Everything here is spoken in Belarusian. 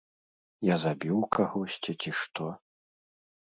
Я забіў кагосьці, ці што?